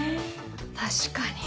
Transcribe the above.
確かに。